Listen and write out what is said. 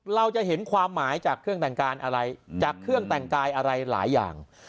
เราจะเห็นความหมายจากเครื่องแต่งกายอะไรจากเครื่องแต่งกายอะไรหลายอย่าง